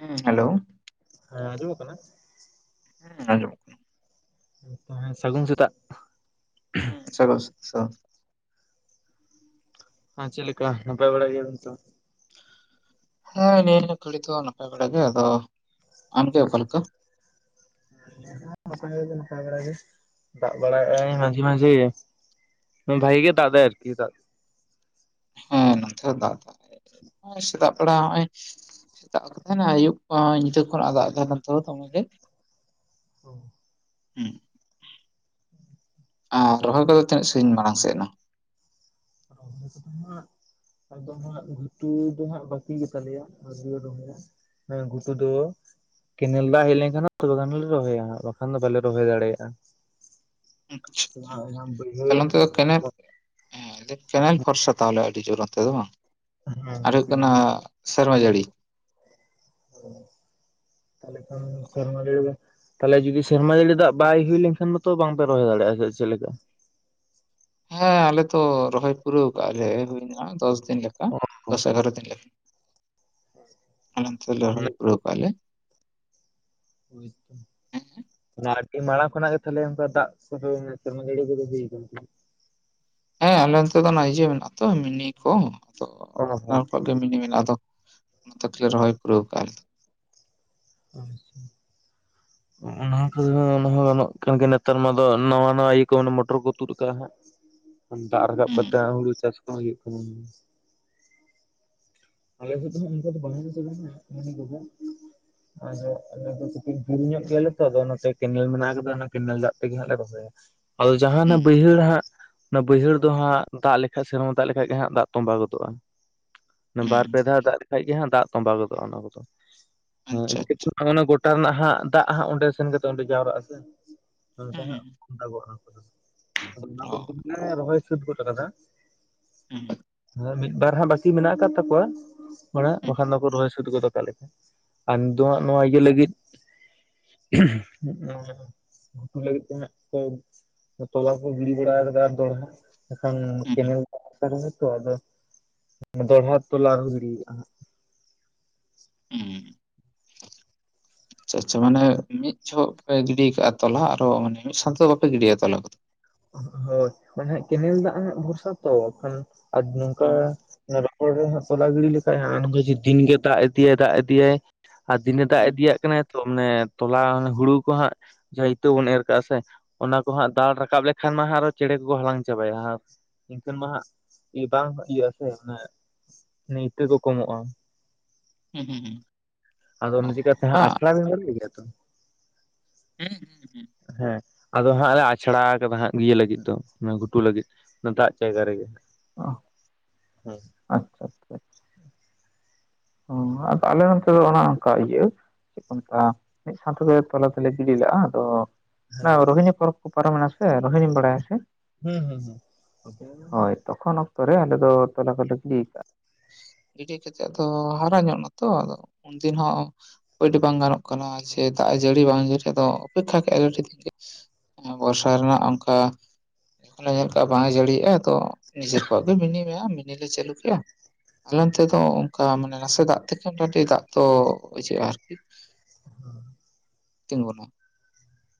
ᱦᱩᱸ ᱦᱮᱞᱳ ᱦᱮᱸ ᱟᱸᱡᱚᱢᱚᱜ ᱠᱟᱱᱟ? ᱦᱮᱸ ᱟᱸᱡᱚᱢᱚᱜ ᱥᱟᱹᱜᱩᱱ ᱥᱮᱛᱟᱜ [inaudible] ᱟᱸ ᱪᱮᱜ ᱞᱮᱠᱟ ᱱᱟᱯᱟᱭ ᱵᱟᱲᱟ ᱜᱮᱭᱟ ᱵᱤᱱ ᱥᱮ ᱵᱟᱝ? ᱦᱮᱸ ᱱᱤᱭᱟᱹ ᱜᱷᱟᱹᱲᱤ ᱫᱚ ᱱᱟᱯᱟᱭ ᱵᱟᱲᱟ ᱜᱮ ᱟᱫᱚ ᱟᱢᱜᱮ ᱚᱠᱟ ᱞᱮᱠᱟ? [unintelligible] ᱫᱟᱜ ᱵᱟᱲᱟᱭ ᱟᱭ ᱢᱟᱡᱷᱮ ᱢᱟᱡᱷᱮ ᱾ ᱦᱮ ᱵᱷᱟᱜᱤ ᱜᱮ ᱫᱟᱜ ᱫᱟᱭ ᱟᱨᱠᱤ ᱫᱟᱜ‌ ᱦᱚᱸ ᱱᱚᱛᱮ ᱦᱚᱸ ᱫᱟᱜ ᱫᱟᱭ ᱦᱚᱸᱜ-ᱚᱭ ᱥᱮᱛᱟᱜ ᱵᱮᱲᱟ ᱱᱚᱜ-ᱚᱭ ᱥᱮᱛᱟᱜ ᱟᱠᱚ ᱛᱟᱦᱮᱱᱟ ᱟᱹᱭᱩᱵ ᱧᱤᱫᱟᱹ ᱠᱷᱚᱱ ᱫᱟᱜ ᱛᱟᱦᱮᱱᱟ ᱱᱚᱱᱛᱮ ᱫᱚ ᱫᱚᱢᱮᱜᱮ ᱾ ᱚ ᱾ ᱦᱩᱸ, ᱟᱨ ᱨᱚᱦᱚᱭ ᱠᱚᱫᱚ ᱛᱤᱱᱟᱹᱜ ᱥᱟᱺᱜᱤᱧ ᱢᱟᱲᱟᱝ ᱥᱮᱫ ᱱᱟ? [unintelligible] ᱟᱫᱚ ᱦᱟᱜ ᱜᱷᱩᱴᱩ ᱫᱚ ᱦᱟᱸᱜ ᱵᱟᱠᱤ ᱜᱮᱛᱟ ᱞᱮᱭᱟ ᱟᱣᱨᱤ ᱞᱮ ᱨᱚᱦᱚᱭᱟ ‌᱾ ᱮᱸ ᱜᱷᱩᱴᱩ ᱫᱚ ᱠᱮᱱᱮᱞ ᱫᱟᱜ ᱦᱮᱡ ᱞᱮᱱᱠᱷᱟᱱ ᱦᱟᱸᱜ ᱛᱷᱚᱲᱟ ᱜᱟᱱ ᱞᱮ ᱨᱚᱦᱚᱭᱟ ᱦᱟᱜ ᱵᱟᱠᱷᱟᱱ ᱫᱚ ᱵᱟᱞᱮ ᱨᱚᱦᱚᱭ ᱫᱟᱲᱮᱭᱟᱜ-ᱟ ᱾ ᱟᱪᱪᱷᱟ ᱟᱪᱪᱷᱟ ᱵᱟᱹᱭᱦᱟᱹᱲ ᱛᱟᱦᱚᱞᱮ ᱚᱱᱛᱮ ᱫᱚ ᱠᱮᱱᱮᱞ ᱦᱮᱸ [unintelligible] ᱠᱮᱱᱮᱞ ᱵᱷᱚᱨᱥᱟ ᱛᱟᱦᱚᱞᱮ ᱟᱹᱰᱤ ᱡᱳᱨ ᱚᱱᱛᱮ ᱫᱚ ᱵᱟᱝ? ᱟᱨ ᱦᱩᱭᱩᱜ ᱠᱟᱱᱟ ᱥᱮᱨᱢᱟ ᱡᱟᱹᱲᱤ᱾ ᱚ ᱛᱟᱦᱞᱮ ᱠᱷᱟᱱ ᱥᱮᱨᱢᱟ ᱡᱟᱹᱲᱤ ᱜᱮ ᱛᱟᱦᱚᱞᱮ ᱡᱩᱫᱤ ᱥᱮᱨᱢᱟ ᱡᱟᱹᱲᱤ ᱫᱟᱜ ᱵᱟᱭ ᱦᱩᱭ ᱞᱮᱱᱠᱷᱟᱱ ᱢᱟᱛᱚ ᱵᱟᱝᱯᱮ ᱨᱚᱦᱚᱭ ᱫᱟᱲᱮᱜ-ᱟ ᱥᱮ ᱪᱮᱫ ᱞᱮᱠᱟ? ᱦᱮᱸ ᱟᱞᱮ ᱛᱚ ᱨᱚᱦᱚᱭ ᱯᱩᱨᱟᱹᱣ ᱠᱟᱜ-ᱟ ᱞᱮ ᱦᱩᱭᱱᱟ ᱫᱚᱥ ᱫᱤᱱ ᱞᱮᱠᱟ ᱚ ᱦᱚᱸ ᱫᱚᱥ ᱮᱜᱟᱨᱚ ᱫᱤᱱ ᱞᱮᱠᱟ ᱾ ᱟᱞᱮ ᱚᱱᱛᱮ ᱫᱚᱞᱮ ᱨᱚᱦᱚᱭ ᱯᱩᱨᱟᱹᱣ ᱠᱟᱜ-ᱟ ᱞᱮ ᱾ ᱦᱳᱭ ᱛᱚ ᱾ [unintelligible] ᱟᱨᱠᱤ ᱢᱟᱲᱟᱝ ᱠᱷᱚᱱᱟᱜ ᱜᱮ ᱛᱟᱦᱞᱮ ᱚᱱᱠᱟ ᱫᱟᱜ ᱠᱚᱫᱚ ᱥᱮᱨᱢᱟ ᱡᱟᱹᱲᱤ ᱠᱚᱫᱚ ᱦᱩᱭ ᱠᱟᱱ ᱛᱟᱦᱮᱸᱜ ᱾ ᱦᱮᱸ ᱟᱞᱮ ᱱᱚᱛᱮ ᱫᱚ ᱚᱱᱟ ᱤᱭᱟᱹ ᱢᱮᱱᱟᱜ-ᱟ ᱛᱚ ᱢᱤᱱᱤ ᱠᱚ ᱟᱫᱚ ᱚᱱᱟ ᱦᱚᱸ ᱟᱯᱱᱟᱨ ᱟᱪᱪᱷᱟ ᱠᱚᱣᱟᱜ ᱢᱤᱱᱤ ᱢᱮᱱᱟᱜ-ᱟ ᱟᱫᱚ ᱚᱱᱟ [unintelligible] ᱛᱮ ᱫᱚᱞᱮ ᱨᱚᱦᱚᱭ ᱯᱩᱨᱟᱹᱣ ᱠᱟᱜ-ᱟ ᱟᱞᱮ ᱫᱚ ᱾ ᱟᱪᱪᱷᱟ ᱾ ᱚᱱᱟ ᱠᱚᱫᱚ ᱚᱱᱟ ᱦᱚᱸ ᱜᱟᱱᱚᱜ ᱠᱟᱱ ᱜᱮ ᱱᱮᱛᱟᱨ ᱢᱟ ᱟᱫᱚ ᱱᱟᱣᱟ ᱱᱟᱣᱟ ᱤᱭᱟᱹ ᱠᱚ ᱢᱚᱴᱚᱨ ᱠᱚ ᱛᱩᱫ ᱠᱟᱜ-ᱟ ᱦᱟᱸᱜ ᱾ ᱫᱟᱜ ᱨᱟᱠᱟᱵ ᱦᱩᱸ ᱠᱟᱛᱮᱜ ᱦᱩᱲᱩ ᱪᱟᱥ ᱠᱚᱦᱚᱸ ᱦᱩᱭᱩᱜ ᱠᱟᱱᱟ ᱾ ᱟᱞᱮ ᱥᱮᱫ ᱫᱚ ᱦᱟᱸᱜ ᱚᱱᱠᱟ ᱫᱚ ᱵᱟᱝ [unintelligible] ᱛᱚᱵᱮ ᱦᱟᱸᱜ ᱢᱟᱱᱮ [unintelligible] ᱟᱫᱚ ᱟᱞᱮ ᱫᱚ ᱠᱟᱹᱴᱤᱡ ᱡᱷᱟᱹᱞ ᱧᱚᱜ ᱜᱮᱭᱟᱞᱮ ᱛᱚ ᱟᱫᱚ ᱚᱱᱟᱛᱮ ᱠᱮᱱᱮᱞ ᱢᱮᱱᱟᱜ ᱟᱠᱟᱫᱟ ᱚᱱᱟ ᱠᱮᱱᱮᱞ ᱫᱟᱜ ᱛᱮᱜᱮ ᱦᱟᱸᱜ ᱞᱮ ᱨᱚᱦᱚᱭᱟ ᱾ ᱟᱫᱚ ᱡᱟᱦᱟᱸ ᱦᱟᱱᱟ ᱦᱩᱸ ᱵᱟᱹᱭᱦᱟᱹᱲ ᱦᱟᱸᱜ ᱚᱱᱟ ᱵᱟᱹᱭᱦᱟᱹᱲ ᱫᱚ ᱦᱟᱸᱜ ᱫᱟᱜ ᱞᱮᱠᱷᱟᱡ ᱥᱮᱨᱢᱟ ᱫᱟᱜ ᱞᱮᱠᱷᱟᱡ ᱜᱮ ᱦᱟᱸᱜ ᱫᱟᱜ ᱛᱚᱸᱵᱟ ᱜᱚᱫᱚᱜ-ᱟ ᱾ ᱦᱩᱸ ᱵᱟᱨ ᱯᱮ ᱫᱷᱟᱣ ᱫᱟᱜ ᱞᱮᱠᱷᱟᱡ ᱜᱮ ᱦᱟᱸᱜ ᱫᱟᱜ ᱛᱚᱸᱵᱟ ᱜᱚᱫᱚᱜ-ᱟ ᱚᱱᱟ ᱠᱚᱫᱚ ᱦᱮᱸ ᱟᱪᱪᱷᱟ ᱟᱪᱪᱷᱟ [unintelligible] ᱟᱫᱚ ᱚᱱᱟ ᱜᱚᱴᱟ ᱨᱮᱱᱟᱜ ᱦᱟᱸᱜ ᱫᱟᱜ ᱦᱟᱸᱜ ᱚᱸᱰᱮ ᱥᱮᱱ ᱠᱟᱛᱮ ᱚᱸᱰᱮ ᱡᱟᱣᱨᱟᱜ ᱟᱥᱮ ᱢᱮᱱᱛᱮ ᱦᱩᱸ ᱦᱩᱸ ᱦᱟᱸᱜ ᱫᱟᱜᱚᱜ-ᱟ ᱚᱱᱟ ᱠᱚᱫᱚ, ᱟᱫᱚ ᱚᱱᱟ ᱚ ᱠᱚᱨᱮ ᱫᱚᱞᱮ ᱨᱚᱦᱚᱭ ᱥᱟᱹᱛ ᱜᱚᱫ ᱟᱠᱟᱫᱟ ᱾ ᱦᱩᱸ ᱾ ᱦᱮᱸ ᱢᱤᱫᱵᱟᱨ ᱦᱟᱸᱜ ᱵᱟᱹᱠᱤ ᱢᱮᱱᱟᱜ ᱟᱠᱟᱫ ᱛᱟᱠᱚᱣᱟ ᱦᱚᱲᱟᱜ ᱦᱩᱸ ᱵᱟᱠᱷᱟᱱ ᱫᱚᱠᱚ ᱨᱚᱦᱚᱭ ᱥᱟᱹᱛ ᱜᱟᱫ ᱟᱠᱟᱫ ᱞᱮᱠᱟ ᱾ ᱟᱨ ᱱᱤᱛ ᱫᱚ ᱚ ᱦᱟᱸᱜ ᱱᱚᱣᱟ ᱤᱭᱟᱹ ᱞᱟᱹᱜᱤᱫ [inaudible] ᱜᱷᱩᱴᱩ ᱞᱟᱹᱜᱤᱫ ᱛᱮ ᱦᱟᱸᱜ ᱠᱚ ᱛᱚᱞᱟ ᱠᱚ ᱜᱤᱰᱤ ᱵᱟᱲᱟ ᱟᱠᱟᱫᱟ ᱟᱨ ᱫᱚᱦᱲᱟ᱾ ᱮᱠᱷᱟᱱ ᱦᱩᱸ ᱠᱮᱱᱮᱞ ᱫᱟᱜ ᱟᱛᱮ ᱨᱚᱦᱚᱭ ᱛᱚ ᱟᱫᱚ ᱫᱚᱲᱦᱟ ᱛᱚᱞᱟ ᱠᱚ ᱜᱤᱲᱤᱭᱮᱜ-ᱟ ᱦᱟᱸᱜ ᱾ ᱦᱩᱸ ᱦᱩᱸ [inaudible] ᱟᱪᱪᱷᱟ ᱟᱪᱪᱷᱟ ᱢᱟᱱᱮ ᱢᱤᱫ ᱡᱚᱦᱚᱜ ᱯᱮ ᱜᱤᱰᱤ ᱟᱠᱟᱜ-ᱟ ᱛᱚᱞᱟ ᱟᱨᱦᱚᱸ ᱢᱟᱱᱮ ᱢᱤᱫ ᱥᱟᱶᱛᱮ ᱫᱚ ᱵᱟᱯᱮ ᱜᱤᱰᱤᱭᱟ ᱛᱚᱞᱟ ᱠᱚᱫᱚ? ᱦᱳᱭ ᱢᱟᱱᱮ ᱦᱟᱸᱜ ᱠᱮᱱᱮᱞ ᱫᱟᱜ ᱦᱟᱸᱜ ᱵᱷᱚᱨᱥᱟ ᱛᱚ ᱠᱷᱟᱱ ᱟᱨ ᱱᱚᱝᱠᱟ ᱦᱩᱸ ᱨᱚᱯᱚᱲ ᱨᱮ ᱦᱟᱸᱜ ᱛᱚᱞᱟ ᱜᱤᱲᱤ ᱞᱮᱠᱷᱟᱱ ᱦᱟᱸᱜ [unintelligible] ᱫᱤᱱ ᱜᱮ ᱫᱟᱜ ᱤᱫᱤᱭᱟᱭ ᱫᱟᱜ ᱤᱫᱤᱭᱟᱭ ᱼᱼ ᱟᱨ ᱫᱤᱱᱮ ᱫᱟᱜ ᱦᱩᱸ ᱤᱫᱤᱭᱟᱜ ᱠᱟᱱᱟᱭ ᱛᱚ ᱾ ᱢᱟᱱᱮ ᱛᱚᱞᱟ ᱦᱩᱲᱩ ᱠᱚ ᱦᱟᱸᱜ ᱡᱟᱦᱟᱸ ᱤᱛᱟᱹ ᱵᱚᱱ ᱮᱨ ᱠᱟᱜ-ᱟ ᱥᱮ ᱚᱱᱟ ᱠᱚᱦᱟᱸᱜ ᱫᱟᱲ ᱨᱟᱠᱟᱵ ᱠᱷᱟᱱ ᱢᱟ ᱦᱟᱸᱜ ᱟᱨᱦᱚᱸ ᱪᱮᱬᱮ ᱠᱚᱠᱚ ᱦᱟᱞᱟᱝ ᱪᱟᱵᱟᱭᱟ ᱦᱟᱸᱜ ᱾ ᱮᱱᱠᱷᱟᱹᱱ ᱢᱟ ᱦᱟᱸᱜ ᱵᱟᱝ ᱤᱭᱟᱹᱜ-ᱟ ᱥᱮ ᱢᱟᱱᱮ ᱢᱟᱱᱮ ᱤᱛᱟᱹ ᱠᱚ ᱠᱚᱢᱚᱜ-ᱟ᱾ ᱦᱩᱸ ᱦᱩᱸ ᱦᱩᱸ ᱟᱫᱚ ᱚ ᱚᱱᱟ ᱪᱤᱠᱟᱹᱛᱮ ᱦᱟᱸᱜ ᱵᱟᱝ ᱟᱪᱷᱲᱟ ᱫᱚ ᱵᱷᱟᱞᱮ ᱜᱮᱭᱟ ᱛᱚ ᱦᱩᱸ ᱦᱩᱸ ᱦᱩᱸ ᱦᱮᱸ ᱟᱫᱚ ᱦᱟᱸᱜ ᱞᱮ ᱟᱪᱷᱲᱟ ᱠᱟᱫᱟ ᱦᱟᱸᱜ ᱤᱭᱟᱹ ᱞᱟᱹᱜᱤᱫ ᱫᱚ ᱚᱱᱟ ᱜᱷᱩᱴᱩ ᱞᱟᱹᱜᱤᱫ ᱚᱱᱟ ᱫᱟᱜ ᱡᱟᱭᱜᱟ ᱨᱮᱜᱮ ᱚ ᱦᱩᱸ ᱟᱪᱪᱷᱟ ᱦᱚᱸ ᱟᱫᱚ ᱟᱞᱮ ᱱᱚᱛᱮ ᱫᱚ ᱚᱱᱮ ᱚᱱᱠᱟ ᱤᱭᱟᱹ ᱪᱮᱫ ᱠᱚ ᱢᱮᱛᱟᱜ-ᱟ ᱢᱤᱫ ᱥᱟᱶᱛᱮ ᱜᱮ ᱛᱚᱞᱟ ᱫᱚᱞᱮ ᱜᱤᱰᱤ ᱞᱮᱫ-ᱟ ᱟᱫᱚ ᱚᱱᱟ ᱨᱳᱦᱤᱱᱤ ᱯᱚᱨᱚᱵᱽ ᱠᱚ ᱯᱟᱨᱚᱢᱮᱱᱟ ᱥᱮ ᱨᱳᱦᱤᱱᱤᱢ ᱵᱟᱲᱟᱭᱟ ᱥᱮ ᱦᱩᱸ ᱦᱩᱸ ᱦᱩᱸ ᱦᱳᱭ ᱛᱚᱠᱷᱚᱱ ᱚᱠᱛᱚ ᱨᱮ ᱟᱞᱮ ᱫᱚ ᱛᱚᱞᱟ ᱠᱚᱞᱮ ᱜᱤᱰᱤ ᱠᱟᱜ-ᱟ ᱜᱤᱰᱤ ᱠᱟᱛᱮ ᱟᱫᱚ ᱛᱚ ᱦᱟᱨᱟ ᱧᱚᱜ ᱮᱱᱟᱛᱚ ᱟᱫᱚ ᱩᱱᱫᱤᱱ ᱦᱚᱸ ᱳᱭᱮᱴ ᱵᱟᱝ ᱜᱟᱱᱚᱜ ᱠᱟᱱᱟ ᱡᱮ ᱫᱟᱜ ᱡᱟᱹᱲᱤ ᱵᱟᱝ ᱡᱟᱹᱲᱤ ᱟᱫᱚ ᱚᱯᱮᱠᱷᱟ ᱮ ᱵᱚᱨᱥᱟ ᱨᱮᱱᱟᱜ ᱚᱱᱠᱟ ᱮᱠᱷᱚᱱᱮ ᱧᱮᱞ ᱠᱟᱜ ᱵᱟᱝ ᱮ ᱡᱟᱹᱲᱤᱭᱟᱜ-ᱟ ᱛᱚ ᱱᱤᱡᱮᱨ ᱠᱚᱣᱟᱜ ᱫᱚ ᱢᱤᱱᱤ ᱢᱮᱱᱟᱜ-ᱟ ᱢᱤᱱᱤ ᱞᱮ ᱪᱟᱹᱞᱩ ᱠᱮᱜ-ᱟ ᱟᱞᱮ ᱚᱱᱛᱮ ᱫᱚ ᱚᱱᱠᱟ ᱢᱟᱱᱮ ᱱᱟᱥᱮ ᱫᱟᱜ ᱛᱮᱜᱮ ᱢᱚᱴᱟ ᱢᱩᱴᱤ ᱫᱟᱜ ᱫᱚ ᱤᱭᱟᱹ ᱟ ᱟᱨᱠᱤ ᱦᱚᱭ ᱛᱤᱸᱜᱩᱱᱟ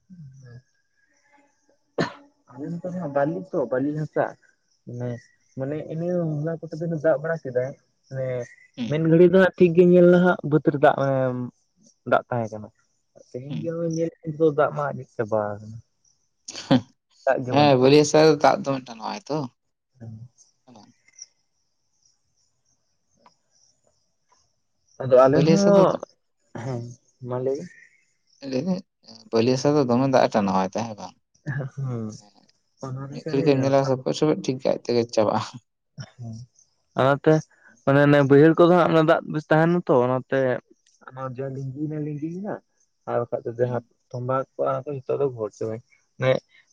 [unintelligible] ᱟᱞᱮ ᱱᱚᱛᱮ ᱨᱮᱦᱚᱸ ᱵᱟᱞᱤᱛᱚ ᱵᱟᱞᱤ ᱦᱟᱥᱟ᱾ ᱢᱟᱱᱮ ᱢᱟᱱᱮ ᱤᱱᱟ ᱱᱚᱣᱟ ᱠᱚᱛᱮ ᱫᱚ ᱫᱟᱜ ᱵᱟᱲᱟ ᱠᱮᱫᱟᱭ ᱢᱟᱱᱮ ᱦᱩᱸ ᱢᱮᱱ ᱜᱷᱟᱹᱲᱤ ᱫᱚ ᱦᱟᱸᱜ ᱴᱷᱤᱠ ᱜᱮ ᱧᱮᱞᱮᱱᱟ ᱦᱟᱸᱜ ᱵᱟᱹᱫᱽ ᱨᱮ ᱫᱟᱜ ᱫᱟᱜ ᱛᱟᱦᱮᱸ ᱠᱟᱱᱟ ᱛᱮᱦᱮᱧ ᱦᱩᱸ ᱜᱮ ᱱᱚᱜ-ᱚᱭ ᱧᱮᱞ ᱫᱚ ᱫᱟᱜ ᱢᱟ ᱟᱸᱡᱮᱫ ᱪᱟᱵᱟ ᱟᱠᱟᱱᱟ᱾ ᱫᱟᱜ ᱜᱮ ᱦᱮᱸ ᱵᱟᱹᱱᱩᱜᱼᱟ ᱵᱟᱞᱤ ᱦᱟᱥᱟ ᱨᱮ ᱫᱟᱜ ᱫᱚᱢᱮ ᱴᱟᱱᱚᱜᱟᱭ ᱛᱚ ᱦᱮᱸ ᱟᱫᱚ ᱟᱞᱮ ᱵᱟᱹᱞᱤ ᱦᱟᱥᱟ ᱫᱚ ᱦᱚᱸ ᱦᱮᱸ ᱢᱟ ᱞᱟᱹᱭᱵᱮᱱ ᱞᱟᱹᱭᱫᱟᱹᱧ ᱵᱟᱞᱤ ᱦᱟᱥᱟ ᱫᱚ ᱫᱚᱢᱮ ᱫᱟᱜ ᱮ ᱴᱟᱱᱟᱣᱟᱭ ᱛᱚ ᱦᱮᱸ ᱵᱟᱝ ᱵᱤᱱ ᱦᱩᱸ ᱚᱱᱟ ᱢᱤᱫ ᱞᱮᱠᱟ ᱜᱷᱟᱹᱲᱤ ᱜᱮ ᱜᱮᱢ ᱦᱮᱸ ᱧᱮᱞᱟ, ᱥᱯᱚᱡ ᱥᱯᱚᱡ ᱴᱷᱤᱠ ᱜᱮ ᱟᱡ ᱛᱮᱜᱮ ᱪᱟᱵᱟᱜᱼᱟ᱾ ᱦᱮᱸ᱾ ᱚᱱᱟ ᱛᱮ ᱢᱟᱱᱮ ᱚᱱᱮ ᱵᱟᱹᱭᱦᱟᱹᱲ ᱠᱚᱫᱚ ᱦᱟᱸᱜ ᱫᱟᱜ ᱵᱮᱥ ᱛᱟᱦᱮᱱᱟ ᱛᱚ᱿ ᱚᱱᱟᱛᱮ ᱚᱱᱟ ᱡᱟ ᱞᱤᱸᱜᱤᱭ ᱮᱱᱟ ᱞᱤᱸᱜᱤᱭ ᱮᱱᱟ᱾ ᱟᱨ ᱵᱟᱠᱷᱟᱡᱽ ᱫᱚ ᱦᱩᱸ ᱡᱟᱦᱟᱸ ᱛᱷᱚᱢᱵᱟ ᱠᱚᱜᱼᱟ, ᱱᱤᱛᱚᱜ ᱫᱚ ᱜᱷᱚᱨ ᱦᱚ ᱪᱚᱣᱟᱭ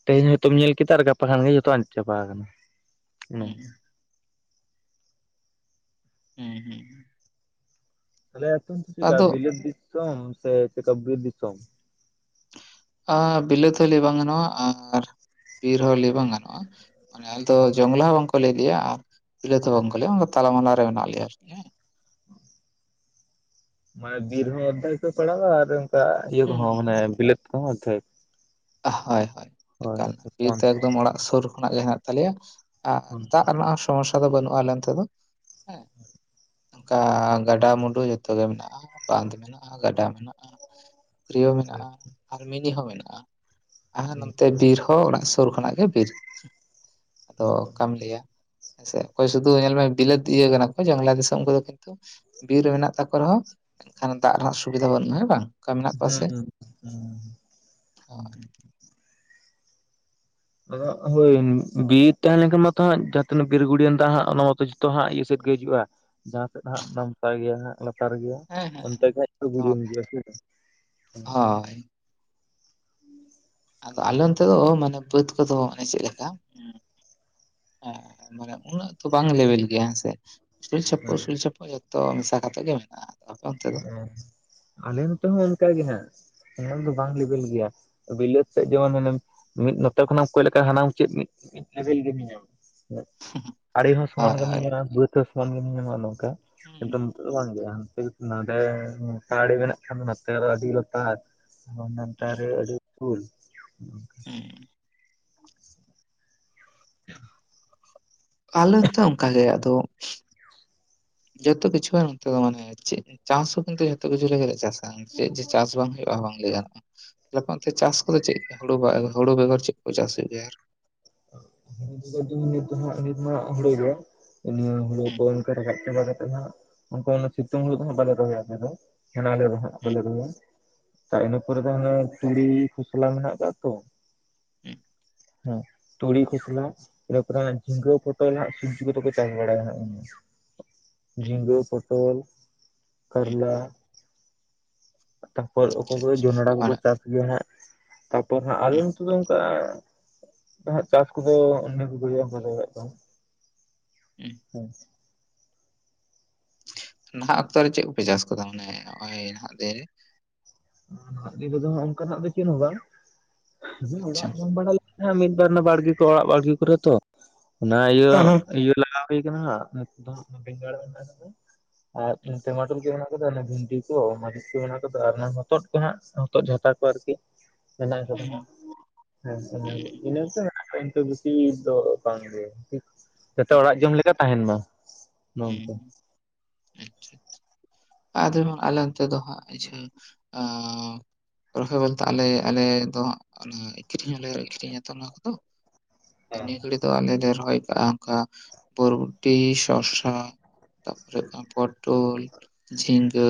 ᱛᱮᱦᱮᱧ ᱦᱚᱭᱛᱚᱢ ᱧᱮᱞ ᱠᱮᱫᱟ᱾ ᱜᱟᱯᱟ ᱠᱷᱟᱱ ᱜᱮ ᱡᱷᱚᱛᱚ ᱟᱫ ᱪᱟᱵᱟ ᱟᱠᱟᱱᱟ᱾ ᱦᱩᱸ ᱦᱮᱸ, ᱦᱩᱸ᱾ ᱛᱟᱦᱮ ᱮᱛᱚ ᱪᱮᱫ ᱠᱟ ᱟᱫᱚ ᱵᱤᱞᱟᱛ ᱫᱤᱥᱚᱢ ᱥᱮ ᱪᱮᱫᱠᱟ ᱵᱤᱨ ᱫᱤᱥᱚᱢ? ᱵᱤᱞᱟᱹᱛ ᱦᱚᱸ ᱞᱮᱟᱹᱭ ᱵᱟᱝ ᱜᱟᱱᱚᱜᱼᱟ ᱟᱨ ᱵᱤᱨ ᱦᱚᱸ ᱞᱟᱹᱭ ᱦᱚᱸ ᱵᱟᱝ ᱜᱟᱱᱚᱜᱼᱟ᱾ ᱢᱟᱱᱮ ᱟᱞᱮ ᱫᱚ ᱡᱚᱝᱞᱟ ᱦᱚᱸ ᱵᱟᱝ ᱠᱚ ᱞᱟᱹᱭᱮᱫ ᱞᱮᱭᱟ ᱟᱨ ᱯᱤᱞᱟᱹ ᱦᱚᱸ ᱵᱟᱝ ᱠᱚ ᱞᱮᱭᱟ, ᱛᱟᱞᱟᱢᱟᱞᱟ ᱨᱮ ᱢᱮᱱᱟᱜ ᱞᱮᱭᱟ ᱟᱨᱠᱤ ᱦᱮᱸ᱾ ᱢᱟᱱᱮ ᱵᱤᱨ ᱦᱚᱸ ᱚᱫᱷᱮᱠ ᱠᱚ ᱯᱟᱲᱟᱣᱟ ᱟᱨ ᱚᱱᱠᱟ ᱤᱭᱟᱹ ᱦᱩᱸ ᱠᱚᱦᱚᱸ ᱦᱩᱸ ᱢᱟᱱᱮ ᱵᱤᱞᱟᱛ ᱠᱚᱦᱚᱸ ᱚᱫᱷᱮᱠ ᱦᱳᱭ, ᱦᱳᱭ, ᱮᱠᱟᱞ ᱵᱤᱨ ᱦᱩᱸ ᱛᱮ ᱮᱠᱫᱚᱢ ᱚᱲᱟᱜ ᱥᱩᱨ ᱠᱷᱚᱱᱟᱜ ᱜᱮ ᱢᱮᱱᱟ ᱜᱮᱱᱟᱜ ᱛᱟᱞᱮᱭᱟ᱾ ᱦᱩᱸ ᱫᱟᱜ ᱨᱮᱱᱟᱜ ᱦᱚᱸ ᱥᱚᱢᱚᱥᱥᱟ ᱫᱚ ᱵᱟᱹᱱᱩᱜᱼᱟ, ᱞᱮᱱ ᱛᱮᱫ ᱫᱚ ᱦᱮᱸ᱾ ᱚᱱᱠᱟ ᱜᱟᱰᱟ ᱢᱩᱰᱩ ᱡᱚᱛᱚ ᱜᱮ ᱢᱮᱱᱟᱜᱼᱟ᱾ ᱵᱟᱸᱫ ᱢᱮᱱᱟᱜᱼᱟ, ᱜᱟᱰᱟ ᱢᱮᱱᱟᱜᱼᱟ, ᱯᱩᱠᱷᱚᱨᱤ ᱦᱚᱸ ᱢᱮᱱᱟᱜᱼᱟ, ᱟᱨᱢᱤᱱᱤ ᱦᱚᱸ ᱢᱮᱱᱟᱜᱼᱟ᱾ ᱦᱚᱸ ᱦᱩᱸ ᱱᱚᱱᱛᱮ ᱵᱤᱨ ᱦᱚᱸ ᱚᱲᱟᱜ ᱥᱩᱨ ᱠᱷᱚᱱᱟᱜ ᱜᱮ ᱵᱤᱨ ᱟᱫᱚ ᱚᱠᱟᱢ ᱦᱩᱸ ᱞᱟᱹᱭᱟ ᱦᱮᱸ ᱥᱮ ᱚᱠᱚᱭ ᱥᱩᱫᱩ ᱧᱮᱞ ᱢᱮ ᱵᱤᱞᱟᱹᱛ ᱤᱭᱟᱹ ᱠᱟᱱᱟ ᱠᱚ ᱵᱟᱝᱞᱟ ᱫᱤᱥᱚᱢ ᱠᱚᱫᱚ, ᱠᱤᱱᱛᱩ ᱵᱤᱨ ᱨᱮ ᱢᱮᱱᱟᱜ ᱛᱟᱠᱚ ᱨᱮᱦᱚᱸ ᱮᱱᱠᱷᱟᱱ ᱫᱟᱜ ᱨᱮᱱᱟᱜ ᱥᱩᱵᱤᱫᱷᱟ ᱵᱟᱹᱱᱩᱜᱼᱟ ᱦᱮ ᱵᱟᱝ? ᱚᱱᱠᱟ ᱢᱮᱱᱟᱜ ᱠᱚᱣᱟ ᱥᱮ ᱦᱮᱸ, ᱦᱮᱸ, ᱦᱳᱭ ᱦᱩᱸ᱾ ᱦᱳᱭ ᱵᱤᱨ ᱛᱟᱦᱮᱸᱞᱱᱠᱷᱟᱱ ᱢᱟᱛᱚ ᱦᱟᱸᱜ ᱡᱟᱦᱟᱸᱛᱤᱱᱟᱹᱜ ᱵᱤᱨ ᱜᱩᱲᱤᱭᱮᱱ ᱫᱟᱜ ᱦᱟᱸᱜ ᱚᱱᱟ ᱢᱟᱛᱚ ᱡᱚ ᱦᱟᱸᱜ ᱤᱭᱟᱹ ᱥᱮᱫ ᱜᱮ ᱦᱤᱡᱩᱜᱼᱟ ᱡᱟᱦᱟᱸ ᱥᱮᱫ ᱦᱜ ᱱᱟᱢᱥᱟᱭ ᱜᱮᱭᱟ ᱦᱟᱸᱜ ᱫᱚᱛᱟᱨ ᱜᱮᱭᱟ ᱦᱮᱸ ᱦᱮᱸ ᱚᱱᱛᱮ ᱠᱷᱟᱡ ᱠᱟᱛᱷᱟ ᱵᱤᱲᱟ. ᱢᱟ ᱢ ᱜᱮᱭᱟ ᱥᱮ ᱦᱳᱭ ᱟᱫᱚ ᱟᱞᱮ ᱚᱱᱛᱮ ᱫᱚ ᱚᱻ ᱢᱟᱱᱮ ᱵᱟᱹᱫᱽ ᱠᱚᱫᱚ ᱢᱟᱱᱮ ᱪᱮᱫ ᱞᱮᱠᱟ? ᱦᱮᱸ ᱢᱟᱱᱮ ᱩᱱᱟᱹᱜ ᱛᱚ ᱵᱟᱝ ᱞᱮᱵᱮᱞ ᱜᱮᱭᱟ ᱦᱮᱸᱥᱮ ᱥᱩᱨᱪᱷᱟ. ᱯᱩ-ᱥᱩᱨᱪᱷᱟ. ᱯᱩ ᱡᱚᱛᱚ ᱢᱮᱥᱟ ᱠᱟᱛᱮ ᱜᱮ ᱢᱮᱱᱟᱜᱼᱟ ᱟᱫᱚ ᱚᱱᱛᱮ ᱫᱚ ᱟᱞᱮ ᱱᱚᱛᱮ ᱦᱚᱸ ᱚᱱᱠᱟᱟᱜ ᱜᱮ ᱦᱜ ᱮᱱᱚᱢ ᱫᱚ ᱵᱟᱝ ᱞᱮᱵᱮᱞ ᱜᱮᱭᱟ᱾ ᱵᱤᱞᱟᱹᱛ ᱥᱮᱫ ᱡᱮᱢᱚᱱᱮ ᱢᱤᱫ ᱱᱚᱛᱮ ᱠᱷᱚᱱᱟᱜᱮᱢ ᱠᱚᱭᱚᱜ ᱞᱮᱠᱟ ᱦᱟᱱᱟᱢᱩᱪᱟ. ᱫ ᱞᱮᱵᱮᱞ ᱜᱮᱢ ᱧᱮᱞ ᱧᱟᱢᱟ ᱟᱲᱮ ᱦᱚᱸ ᱥᱚᱢᱟᱱ ᱦᱳᱭ ᱜᱮᱢ ᱦᱳᱭ ᱧᱟᱢᱟ ᱵᱟᱹᱫᱽ ᱦᱚᱸ ᱥᱚᱢᱟᱱ ᱜᱮᱢ ᱧᱟᱢᱟ ᱱᱚᱝᱠᱟ ᱦᱩᱸ ᱮᱠᱫᱚᱢ ᱵᱟᱝ ᱜᱮ ᱱᱚᱰᱮ ᱢᱚᱥᱟᱲᱤ ᱢᱮᱱᱟᱜ ᱠᱷᱟᱱ ᱱᱚᱛᱮ ᱟᱹᱰᱤ ᱞᱚᱛᱟ ᱱᱮᱛᱟᱨ ᱦᱩᱸ ᱨᱮ ᱟᱹᱰᱤ ᱩᱞ ᱦᱮᱸ ᱪᱮᱫ ᱦᱚᱸ ᱵᱟᱝ ᱟᱸᱡᱚᱢ ᱴᱷᱤᱠᱟᱹᱜ ᱠᱟᱱᱟ ᱟᱞᱮ ᱛᱚ ᱚᱱᱠᱟ ᱜᱮ ᱟᱫᱚ ᱡᱚᱛᱚ ᱠᱤᱪᱩ ᱱᱚᱛᱮ ᱫᱚ ᱢᱟᱱᱮ ᱪᱟᱥ ᱦᱚᱸ ᱠᱤᱱᱛᱩ ᱡᱚᱛᱚ ᱠᱤᱪᱷᱩ ᱞᱮ ᱪᱟᱥ ᱪᱮᱫ ᱡᱮ ᱪᱟᱥ ᱵᱟᱝ ᱦᱩᱭᱩᱜᱼᱟ ᱵᱟᱝ ᱞᱟᱹᱭ ᱜᱟᱱᱚᱜᱼᱟᱯᱚᱱ ᱪᱟᱥ ᱠᱚᱫᱚ ᱪᱮᱫ ᱦᱳᱲᱳ ᱵᱟᱝ ᱦᱳᱲᱳ ᱵᱮᱜᱚᱨ ᱪᱮᱫ ᱠᱚ ᱪᱟᱥ ᱦᱩᱭᱩᱜ ᱜᱮᱭᱟ ᱟᱨ ᱦᱳᱲᱳ ᱡᱮᱢᱚᱱ ᱱᱤᱛ ᱦᱟᱸᱜ ᱱᱤᱛ ᱢᱟᱜ ᱦᱳᱲᱳ ᱡᱚᱜᱼᱟ ᱱᱤᱭᱟᱹ ᱦᱳᱲᱳ ᱠᱚ ᱦᱩᱸ ᱚᱱᱠᱟ ᱨᱟᱠᱟᱵ ᱪᱟᱵᱟ ᱠᱟᱛᱮ ᱟ ᱩᱱᱠᱩ ᱩᱱᱟᱹᱜ ᱥᱤᱛᱩᱝ ᱦᱳᱲᱳ ᱫᱚᱦᱜ ᱵᱟᱞᱮ ᱫᱚᱦᱚᱭᱟ ᱟᱞᱮ ᱫᱚ ᱦᱟᱸᱜ ᱟᱞᱮ ᱫᱚ ᱦᱟᱸᱜ ᱦᱩᱸ ᱵᱟᱞᱮ ᱫᱚᱦᱚᱭᱟ ᱤᱱᱟᱹ ᱯᱚᱨᱮ ᱫᱚ ᱦᱟᱱᱮ ᱛᱩᱲᱤ ᱠᱷᱚᱥᱞᱟ ᱢᱮᱱᱟᱜ ᱟᱠᱟᱜ-ᱟ ᱛᱚ ᱦᱮᱸ ᱦᱮᱸ ᱛᱩᱲᱤ ᱯᱷᱚᱥᱞᱟ ᱤᱱᱟᱹᱯᱚᱨ ᱡᱷᱤᱸᱜᱟᱹ ᱯᱚᱴᱚᱞ ᱦᱟᱸᱜ ᱥᱚᱵᱽᱡᱤ ᱠᱚᱫᱚ ᱠᱚ ᱪᱟᱥ ᱵᱟᱲᱟᱭᱟ ᱦᱟᱸᱜ ᱦᱩᱸ ᱡᱷᱤᱸᱜᱟᱹ, ᱯᱚᱴᱚᱞ, ᱦᱩᱸ ᱠᱟᱨᱞᱟ ᱛᱟᱯᱚᱨ ᱚᱠᱚᱭ ᱟᱪᱪᱷᱟ ᱠᱚᱫᱚ ᱟᱪᱪᱷᱟ ᱡᱚᱱᱰᱨᱟ ᱠᱚᱠᱚ ᱢᱟᱱᱮ ᱪᱟᱥ ᱜᱮᱭᱟ ᱦᱟᱸᱜ ᱛᱟᱯᱚᱨ ᱦᱟᱸᱜ ᱟᱞᱮ ᱦᱩᱸ ᱱᱤᱛᱚᱜ ᱫᱚ ᱚᱱᱠᱟ ᱪᱟᱥ ᱠᱚᱫᱚ ᱚᱱ ᱜᱮ ᱫᱟᱲᱭᱟᱜ ᱫᱚ ᱦᱩᱸ ᱦᱮᱸᱥᱮ ᱱᱟᱦᱟᱜ ᱚᱠᱛᱚᱮ ᱪᱮᱫ ᱠᱚᱯᱮ ᱪᱟᱥ ᱟᱠᱟᱫᱟ ᱢᱟᱱᱮ ᱱᱚᱜ ᱚᱭ ᱱᱟᱦᱟᱜ ᱫᱤᱱ ᱨᱮ? ᱥᱚᱵᱡᱤ ᱠᱚᱫᱚ ᱚᱱᱠᱟᱱᱟᱜ ᱫᱚ ᱪᱮᱫ ᱦᱚᱸ ᱵᱟᱝ ᱨᱮ ᱟᱪᱪᱷᱟ ᱚᱲᱟᱜ ᱡᱚᱢ ᱵᱟ ᱦᱮᱸ ᱢᱤᱫ ᱵᱟᱨ ᱵᱟᱲᱜᱮ ᱠᱚ ᱚᱲᱟᱜ ᱵᱟᱲᱜᱮ ᱠᱚᱨᱮ ᱛᱚ ᱚᱱᱟ ᱤᱭᱟᱹ ᱦᱮᱸ ᱦᱮᱸ ᱤᱭᱟᱹ ᱞᱟᱜᱟᱣ ᱦᱩᱭᱠᱟᱱᱟ ᱦᱟᱸᱜ ᱱᱤᱛ ᱫᱚ ᱵᱮᱸᱜᱟᱲ ᱢᱮᱱᱟᱜ ᱟᱠᱟᱫᱟ ᱟᱨ ᱦᱩᱸ ᱴᱟᱢᱟᱴᱩᱨ ᱜᱮ ᱢᱮᱱᱟᱜ ᱵᱷᱤᱱᱰᱤ ᱠᱚ ᱢᱟ. ᱨᱤᱪ ᱠᱚ ᱢᱮᱱᱟᱜ ᱟᱠᱟᱫᱟ ᱟᱨ ᱦᱚᱛᱚᱫ ᱠᱚ ᱦᱟᱸᱜ ᱦᱚᱛᱚᱫ ᱡᱷᱟᱛᱟ ᱠᱚ ᱟᱨᱠᱤ ᱦᱮᱱᱟᱜ ᱟᱠᱟᱫᱟ ᱦᱩᱸ ᱦᱮᱸᱥᱮ ᱦᱩᱸ ᱤᱱᱟᱹᱥᱮ ᱠᱤᱱᱛᱩ ᱵᱮᱥᱤ ᱫᱚ ᱵᱟᱝᱜᱮ ᱡᱮᱛᱮ ᱚᱲᱟᱜ ᱡᱚᱢ ᱞᱮᱠᱟ ᱛᱟᱦᱮᱱ ᱢᱟ ᱦᱮᱸ ᱵᱟᱝ ᱟᱸᱡᱚᱢ ᱴᱷᱤᱠᱟᱹᱜ ᱠᱟᱱᱟ ᱾ ᱟᱫᱚ ᱟᱞᱮ ᱚᱱᱛᱮ ᱫᱚ ᱦᱟᱸᱜ ᱠᱤᱪᱷᱩᱠ ᱨᱚᱦᱚᱭ ᱵᱚᱞᱛᱮ ᱟᱞᱮ-ᱟᱞᱮ ᱫᱚ ᱠᱷᱨᱤᱧ ᱦᱚᱸᱞᱮ ᱟᱹᱨᱤᱧᱟᱛᱚ ᱱᱚᱣᱟ ᱠᱚᱫᱚ ᱾ ᱦᱮᱸ ᱱᱤᱭᱟᱹ ᱜᱷᱟᱹᱲᱤᱡ ᱫᱚ ᱟᱞᱮ ᱞᱮ ᱨᱚᱦᱚᱭ ᱠᱟᱜᱼᱟ ᱚᱱᱠᱟ ᱵᱚᱨᱵᱳᱴᱤ, ᱥᱚᱥ ᱦᱮᱸᱛᱟᱯᱚᱨᱮ ᱯᱚᱴᱚᱞ, ᱡᱷᱤᱸᱜᱟᱹ᱾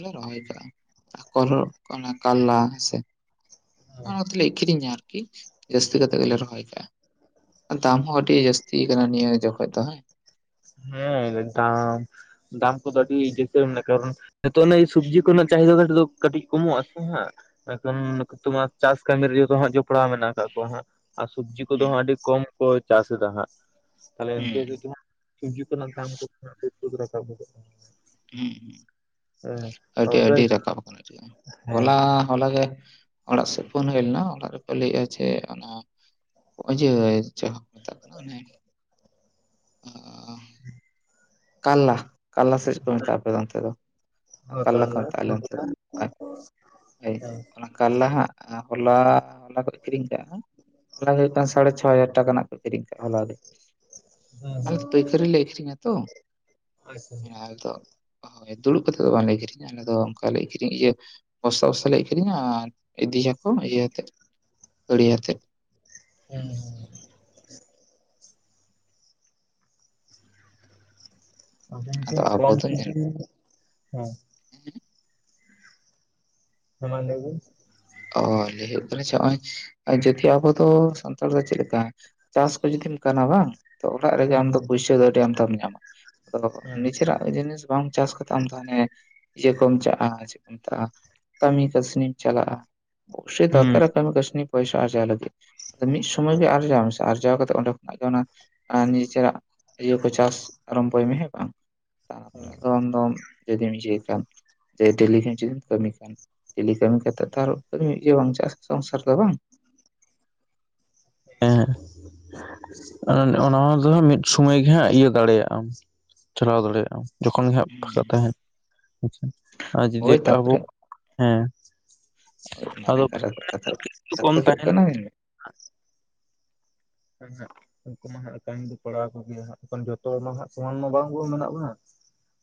ᱞᱮ ᱨᱚᱦᱚᱭ ᱠᱟᱜᱼᱟ ᱟᱨ ᱠᱟᱨᱞᱟ ᱦᱮᱸᱥᱮ ᱾ ᱚᱱᱟ ᱛᱮᱞᱮ ᱟᱠᱷᱨᱤᱧᱟ ᱟᱨᱠᱤ ᱾ ᱡᱟᱹᱥᱛᱤ ᱠᱟᱛᱮᱜ ᱜᱮᱞᱮ ᱨᱚᱦᱚᱭ ᱠᱟᱜᱼᱟ ᱫᱟᱢ ᱦᱚᱸ ᱟᱹᱰᱤ ᱡᱟᱹᱥᱛᱤ ᱟᱠᱟᱱᱟ ᱱᱤᱭᱟᱹ ᱡᱚᱠᱷᱚᱡ ᱫᱚ ᱦᱮᱸ ᱾ ᱦᱮᱸ ᱫᱟᱢ, ᱫᱟᱢ ᱠᱚᱫᱚ ᱟᱹᱰᱤ ᱡᱛᱮ ᱠᱟᱨᱚᱱ, ᱛᱚ ᱚᱱᱟᱜ ᱥᱚᱵᱡᱤ ᱠᱚ ᱱᱟᱜ ᱪᱟᱦᱤᱫᱟ ᱫᱚ ᱱᱤᱛᱚᱜ ᱫᱚ, ᱠᱟᱹᱴᱤᱡ ᱠᱚᱢᱚᱜ ᱟᱥᱮ ᱦᱟᱸᱜ ᱮᱠᱷᱚᱱ ᱛᱳᱢᱟᱨ ᱪᱟᱥ ᱠᱟᱹᱢᱤ ᱨᱮ ᱡᱚᱛᱚ ᱦᱟᱸᱜ ᱡᱚᱯᱲᱟᱣ ᱢᱮᱱᱟᱜ ᱟᱠᱟᱜ ᱠᱚᱣᱟ ᱦᱟᱸᱜ ᱾ ᱟᱨ ᱥᱚᱵᱽᱡᱤ ᱠᱚᱫᱚ ᱦᱟᱸᱜ ᱟᱹᱰᱤ ᱠᱚᱢ ᱠᱚ ᱪᱟᱥ ᱮᱫᱟ ᱦᱟᱸᱜ ᱛᱟᱞᱦᱮ ᱤᱱᱠᱟᱹ ᱦᱩᱸ ᱜᱮᱪᱚᱝ ᱥᱩᱵᱡᱤ ᱠᱚ ᱨᱮᱱᱟᱜ ᱫᱟᱢ ᱠᱚ ᱛᱷᱚᱲᱟ [unintelligible] ᱨᱟᱠᱟᱵ ᱜᱚᱫᱚᱜ ᱠᱟᱱᱟ ᱦᱮᱸ ᱟᱹᱰᱤ ᱚᱱᱠᱟ ᱟᱹᱰᱤ ᱨᱟᱠᱟᱵ ᱟᱠᱟᱱᱟ ᱦᱮᱸ ᱦᱚᱞᱟ ᱦᱚᱞᱟ ᱜᱮ, ᱚᱲᱟᱜ ᱥᱮᱫ ᱯᱷᱳᱱ ᱦᱳᱭ ᱞᱮᱱᱟ ᱚᱲᱟᱜ ᱨᱮᱠᱚ ᱞᱟᱹᱭᱮᱜᱼᱟ ᱡᱮ ᱚᱱᱟ, [unintelligible] ᱠᱟᱱᱟ ᱚ ᱠᱟᱞᱞᱟ ᱠᱟᱞᱞᱟ ᱥᱮ ᱠᱚ ᱢᱮᱛᱟᱜᱼᱟ ᱟᱯᱮ ᱚᱱᱛᱮ ᱫᱚ ᱾ ᱠᱟᱞᱞᱟ ᱠᱚ ᱢᱮᱛᱟᱜᱼᱟ ᱟᱞᱮ ᱠᱩᱸᱫᱽᱨᱤ ᱚᱱᱛᱮ ᱫᱚ ᱦᱮᱸ ᱦᱳᱭ ᱦᱳᱭ ᱚᱱᱟ, ᱠᱟᱞᱞᱟ ᱦᱟᱸᱜ ᱦᱚᱞᱟ ᱦᱚᱞᱟ ᱠᱚ ᱟᱹᱠᱷᱨᱤᱧ ᱠᱟᱜᱼᱟ ᱦᱚᱞᱟ ᱫᱚ ᱦᱩᱭᱩᱜ ᱠᱟᱱᱟ ᱥᱟᱲᱮ ᱪᱷᱚ ᱦᱟᱡᱟᱨ ᱴᱟᱠᱟ ᱨᱮᱱᱟᱜ ᱠᱚ ᱟᱠᱷᱨᱤᱧ ᱠᱟᱜᱼᱟ ᱦᱚᱞᱟᱜᱮ ᱾ ᱦᱮᱸ ᱟᱞᱮ ᱯᱟᱹᱭᱠᱷᱟᱹᱨᱤ ᱞᱮ ᱟᱹᱠᱷᱨᱤᱧᱟ ᱛᱚ ᱾ ᱟᱪᱪᱷᱟ ᱾ ᱢᱟᱱᱮ ᱟᱞᱮ ᱫᱚ ᱦᱳᱭ ᱫᱩᱲᱩᱵ ᱠᱟᱛᱮᱫ ᱫᱚ ᱵᱟᱝᱞᱮ ᱟᱹᱠᱷᱨᱤᱧᱟ ᱟᱞᱮ ᱫᱚ ᱚᱱᱠᱟᱞᱮ ᱟᱹᱠᱷᱨᱤᱧ ᱤᱭᱟᱹ ᱵᱚᱥᱛᱟ ᱵᱚᱥᱛᱟ ᱞᱮ ᱟᱠᱷᱨᱤᱧᱟ ᱟᱨ ᱤᱫᱤᱭᱟᱠᱚ ᱤᱭᱟᱹᱛᱮᱫ ᱜᱟᱲᱤ ᱟᱛᱮᱫ ᱾ ᱦᱮᱸ ᱾ ᱟᱫᱚ ᱠᱚᱢ [unintelligible] ᱦᱮᱸ ᱦᱮᱸ ᱦᱮ ᱢᱟ ᱞᱟᱹᱭ ᱵᱤᱱ ᱚ ᱞᱟᱹᱭ ᱦᱩᱭᱩᱜ ᱠᱟᱱᱟ ᱡᱮ ᱱᱚᱜᱼᱚᱭ, ᱡᱚᱫᱤ ᱟᱵᱚ ᱫᱚ ᱥᱟᱱᱛᱟᱲ ᱫᱚ ᱪᱮᱫᱞᱮᱠᱟ ᱪᱟᱥ ᱠᱚ ᱡᱩᱫᱤᱢ ᱜᱟᱱᱟ ᱵᱟᱝ, ᱛᱚ ᱚᱲᱟᱜ ᱨᱮᱜᱮ ᱦᱮᱸ ᱟᱢ ᱫᱚ ᱯᱩᱭᱥᱟᱹ ᱫᱚ ᱟᱹᱰᱤ ᱟᱢᱫᱟᱢ ᱧᱟᱢᱟ ᱟᱫᱚ ᱦᱮᱸ ᱱᱤᱡᱮᱨᱟᱜ, ᱡᱤᱱᱤᱥ ᱵᱟᱢ ᱪᱟᱥ ᱠᱟᱛᱮ ᱟᱢᱫᱚ ᱦᱟᱱᱮ ᱤᱭᱟᱹ ᱠᱚᱢ ᱪᱟᱜᱼᱟ ᱪᱮᱫ ᱠᱚ ᱢᱮᱛᱟᱜᱼᱟ ᱠᱟᱹᱢᱤ ᱠᱟᱹᱥᱱᱤᱢ ᱪᱟᱞᱟᱜᱼᱟ ᱾ ᱥᱮ ᱦᱮᱸ ᱫᱚᱨᱠᱟᱨᱟ ᱠᱟᱹᱢᱤ ᱠᱟᱹᱥᱱᱤ ᱯᱚᱭᱥᱟ ᱟᱨᱡᱟᱹᱣ ᱞᱟᱹᱜᱤᱫ ᱾ ᱟᱫᱚ ᱢᱤᱫ ᱥᱚᱢᱚᱭ ᱜᱮ ᱟᱨᱡᱟᱣ ᱢᱮᱥᱮ ᱟᱨᱡᱟᱣ ᱠᱟᱛᱮ ᱚᱸᱰᱮ ᱠᱷᱚᱱᱟᱜ ᱜᱮ ᱚᱱᱟ, ᱟᱨ ᱱᱤᱡᱮᱨᱟᱜ ᱤᱭᱟᱹ ᱠᱚ ᱪᱟᱥ ᱟᱨᱚᱢᱵᱷᱚᱭ ᱢᱮ ᱦᱮᱸ ᱵᱟᱝ ᱛᱟᱨᱯᱚᱨ ᱠᱚᱢ ᱠᱚᱢ ᱡᱩᱫᱤᱢ ᱡᱮᱫᱟ ᱰᱮᱞᱤ ᱡᱩᱫᱤᱢ ᱠᱟᱹᱢᱤ ᱠᱷᱟᱱ ᱰᱮᱞᱤ ᱠᱟᱹᱢᱤ ᱠᱟᱛᱮ ᱛᱚ ᱟᱨ ᱢᱤᱫ ᱜᱮ ᱵᱟᱝ ᱪᱟᱥ ᱥᱚᱝᱥᱟᱨ ᱫᱚ ᱵᱟᱝ ᱾ ᱦᱮ ᱚᱱᱟ ᱫᱚ ᱦᱟᱸᱜ ᱢᱤᱫ ᱥᱚᱢᱚᱭ ᱜᱮ ᱦᱟᱸᱜ ᱤᱭᱟᱹ ᱫᱟᱲᱮᱭᱟᱜᱼᱟᱢ ᱪᱟᱞᱟᱣ ᱫᱟᱲᱮᱭᱟᱜᱼᱟᱢ ᱾ ᱡᱚᱠᱷᱚᱱ ᱜᱮ ᱦᱟᱸᱜ ᱯᱷᱟᱸᱠᱟ ᱛᱟᱦᱮᱱ ᱟᱪ ᱟᱨ ᱡᱩᱫᱤ ᱦᱳᱭ ᱟᱵᱚ ᱛᱟᱯᱚᱨᱮ ᱦᱮᱸ, ᱟᱱᱮ ᱟᱫᱚ ᱠᱟᱛᱷᱟ ᱠᱟᱛᱷᱟ ᱫᱚ ᱠᱤᱪᱷᱩ ᱠᱟᱛᱷᱟ ᱠᱚᱢ ᱫᱚ ᱦᱩᱭᱩᱜ ᱛᱟᱦᱮᱱ ᱠᱟᱱᱟ ᱢᱮᱱ [unintelligible] ᱩᱱᱠᱩ ᱢᱟ ᱦᱟᱸᱜ ᱠᱟᱹᱢᱤ ᱫᱚ ᱯᱟᱲᱟᱣ ᱟᱠᱚ ᱜᱮᱭᱟ ᱦᱟᱸᱜ ᱮᱚᱱ ᱡᱚᱛᱚ ᱦᱚᱲ ᱢᱟ ᱦᱟᱸᱜ ᱥᱚᱢᱟᱱ ᱢᱟ ᱵᱟᱝᱵᱚ ᱢᱮᱱᱟᱜ ᱵᱚᱱᱟ ᱾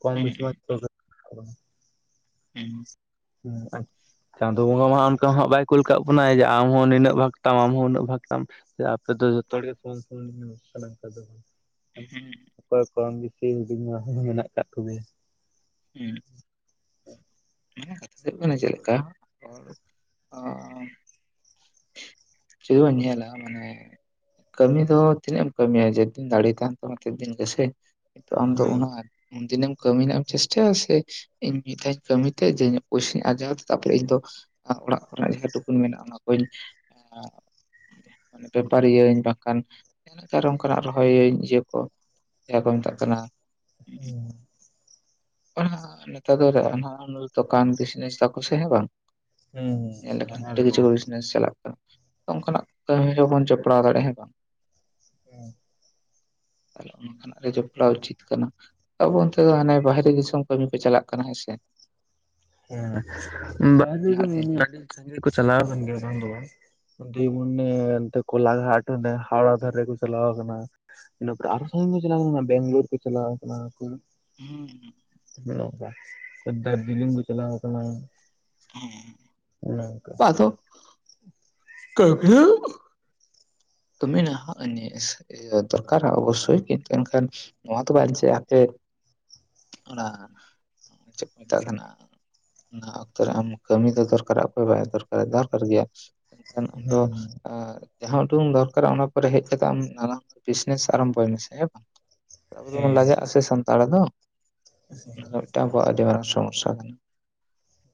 ᱠᱚᱢ ᱵᱮᱥᱤ ᱢᱟ ᱡᱚᱛᱚᱜᱮ, ᱦᱩᱸ ᱦᱮᱸ ᱪᱟᱸᱫᱳ ᱵᱚᱸᱜᱟ ᱢᱟ ᱚᱱᱠᱟ ᱦᱟᱸᱜ ᱵᱟᱭ ᱠᱩᱞ ᱠᱟᱜ ᱵᱚᱱᱟᱭ ᱡᱮ ᱟᱢ ᱦᱚᱸ ᱱᱤᱱᱟᱹᱜ ᱵᱷᱟᱜ ᱛᱟᱢ ᱟᱢ ᱦᱚᱸ ᱩᱱᱟᱹᱜ ᱵᱷᱟᱜ ᱛᱟᱢ ᱛᱟᱢ ᱾ ᱟᱯᱮ ᱫᱚ ᱡᱚᱛᱚ ᱦᱚᱲ ᱜᱮ ᱚᱠᱚᱭ ᱠᱚᱢ ᱵᱤᱥᱤ ᱦᱩᱰᱤᱧ ᱢᱟ ᱦᱚᱸ ᱢᱮᱱᱟᱜ ᱟᱠᱟᱫ ᱠᱚᱜᱮᱭᱟ ᱾ ᱦᱮᱸ ᱠᱟᱛᱷᱟ ᱫᱚ ᱦᱩᱭᱩᱜ ᱠᱟᱱᱟ ᱪᱮᱫ ᱞᱮᱠᱟ ᱡᱩᱫᱤ ᱵᱚᱱ ᱧᱮᱞᱟ ᱢᱟᱱᱮ ᱠᱟᱹᱢᱤ ᱫᱚ ᱛᱤᱱᱟᱹᱜ ᱮᱢ ᱠᱟᱹᱢᱤᱭᱟ ᱡᱮᱫ ᱫᱤᱱ ᱫᱟᱲᱮ ᱛᱟᱦᱮᱱ ᱛᱟᱢᱟ ᱛᱮᱫ ᱫᱤᱱ ᱜᱮᱥᱮ ᱟᱢ ᱫᱚ ᱦᱮᱸ ᱚᱱᱟ ᱩᱱᱫᱤᱱᱮᱢ ᱠᱟᱹᱢᱤ ᱨᱮᱱᱟᱜ ᱮᱢ ᱪᱮᱥᱴᱟᱭᱟ ᱥᱮ ᱤᱧ ᱢᱤᱫ ᱫᱷᱟᱣ ᱠᱟᱹᱢᱤᱛᱮ ᱡᱮ ᱤᱧᱟᱹᱜ ᱯᱚᱭᱥᱟᱧ ᱟᱨᱟᱣ ᱛᱮ ᱛᱟᱨᱯᱚᱨᱮ ᱤᱧ ᱫᱚ ᱚᱲᱟᱜ ᱠᱚᱨᱮᱱᱟᱜ ᱡᱟᱦᱟᱸ ᱴᱩᱠᱩᱱ ᱢᱮᱱᱟᱜᱼᱟ ᱚᱱᱟ ᱠᱚ ᱢᱟᱱᱮ ᱵᱮᱯᱟᱨᱤᱭᱟᱹᱧ ᱵᱟᱝᱠᱷᱟᱱ ᱚᱱᱠᱟᱱᱟᱜ ᱨᱚᱦᱚᱭᱟᱹᱧ ᱤᱭᱟᱹ ᱠᱚ ᱡᱟᱦᱟᱸ ᱠᱚ ᱢᱮᱛᱟᱜ ᱠᱟᱱᱟ ᱦᱮᱸ ᱱᱮᱛ ᱫᱚ ᱫᱚᱠᱟᱱ ᱵᱤᱡᱱᱮᱥ ᱛᱚᱠᱚ ᱥᱮ ᱦᱮᱸ ᱵᱟᱝ? ᱧᱮᱞ ᱦᱮᱸ ᱞᱮᱠᱷᱟᱱ ᱚᱱᱟ ᱟᱹᱰᱤ ᱨᱮᱠᱚ ᱠᱤᱪᱷᱩ ᱵᱤᱡᱱᱮᱥ ᱪᱟᱞᱟᱜ ᱠᱟᱱᱟ᱾ ᱚᱱᱠᱟᱱᱟᱜ ᱠᱟᱹᱢᱤ ᱨᱮᱦᱚᱸᱵᱚᱱ ᱡᱚᱯᱲᱟᱣ ᱫᱟᱲᱮᱭᱟᱜᱼᱟ ᱦᱮᱸᱥᱮ ᱵᱟᱝ ᱾ ᱦᱮᱸ ᱾ ᱦᱮᱞᱳ, ᱚᱱᱠᱟᱱᱟᱜ ᱨᱮ ᱡᱚᱯᱲᱟᱣ ᱩᱪᱤᱛ ᱠᱟᱱᱟ ᱟᱵᱚ ᱚᱱᱛᱮ ᱫᱚ ᱦᱟᱱᱮ ᱵᱟᱦᱨᱮ ᱫᱤᱥᱚᱢ ᱠᱟᱹᱢᱤ ᱠᱚ ᱪᱟᱞᱟᱜ ᱠᱟᱱᱟ ᱦᱮᱸ ᱥᱮ ᱾ ᱦᱮᱸ ᱵᱟᱦᱨᱮ ᱫᱚ ᱱᱟᱦᱟᱜ ᱫᱤᱱ ᱨᱮ ᱟᱹᱰᱤ ᱥᱟᱺᱜᱤᱧ ᱠᱚ ᱪᱟᱞᱟᱣ ᱟᱠᱟᱱ ᱜᱮᱭᱟ ᱵᱟᱝ ᱫᱚ ᱵᱟᱝ ᱾ ᱫᱢᱩᱱᱮ ᱠᱚᱞᱟ ᱜᱷᱟᱴ ᱚᱱᱮ ᱦᱟᱣᱲᱟ ᱫᱷᱟᱨᱮ ᱠᱚ ᱪᱟᱞᱟᱣ ᱟᱠᱟᱱᱟ ᱾ ᱤᱱᱟᱹᱯᱚᱨ ᱟᱨᱚ ᱥᱚᱢᱜᱤᱧ ᱠᱚ ᱪᱟᱞᱟᱣ ᱠᱟᱱᱟ ᱵᱮᱝᱞᱳᱨ ᱠᱚ ᱪᱟᱞᱟᱣ ᱠᱟᱱᱟ ᱾ ᱦᱩᱸ ᱾ [unintelligible] ᱫᱟᱨᱡᱤᱞᱤᱝ ᱠᱚ ᱪᱞᱟᱣ ᱠᱟᱱᱟ ᱾ ᱦᱮᱸ, ‌ ᱯᱟᱛᱚ ᱠᱟᱹᱢᱤᱭᱟ ᱠᱟᱹᱢᱤ ᱱᱟ ᱫᱚᱨᱠᱟᱨᱟ ᱚᱵᱚᱥᱳᱭ ᱠᱤᱱᱛᱩ ᱮᱱᱠᱷᱟᱱ ᱱᱚᱣᱟ ᱫᱚ ᱵᱟᱝ ᱡᱮ ᱟᱯᱮ ᱚᱱᱟ ᱪᱮᱫ ᱠᱚ ᱢᱮᱛᱟᱜ ᱠᱟᱱᱟ! ᱚᱱᱟ ᱚᱠᱛᱚ ᱨᱮ ᱟᱢ ᱠᱟᱹᱢᱤ ᱫᱚ ᱫᱚᱨᱠᱟᱨᱚᱜ ᱚᱠᱚᱭ ᱵᱟᱭ ᱫᱚᱨᱠᱟᱨᱟ ᱫᱚᱨᱠᱟᱨ ᱜᱮᱭᱟ ᱾ ᱟᱢ ᱫᱚ ᱦᱮᱸ ᱦᱮᱸ ᱡᱟᱦᱟᱸ ᱩᱰᱩᱝ ᱫᱚᱨᱠᱟᱨᱟ ᱚᱱᱟ ᱯᱚᱨᱮ ᱦᱮᱡ ᱠᱟᱛᱮ ᱟᱢ ᱱᱟᱱᱟᱦᱩᱱᱟᱹ ᱵᱤᱡᱽᱱᱮᱥ ᱟᱨᱟᱢᱵᱷᱚᱭ ᱢᱮᱥᱮ ᱦᱮᱸ ᱵᱟᱝ ᱾ ᱟᱵᱚ ᱫᱚᱵᱚᱱ ᱦᱮᱸ ᱞᱟᱡᱟᱜ ᱟᱥᱮ ᱥᱟᱱᱛᱟᱲ ᱫᱚ ᱦᱮᱸ ᱚᱱᱟ ᱫᱚ ᱢᱤᱫᱴᱟᱝ ᱟᱵᱚᱣᱟᱜ ᱟᱹᱰᱤ ᱢᱟᱨᱟᱝ ᱥᱚᱢᱚᱥᱟ ᱠᱟᱱᱟ ᱾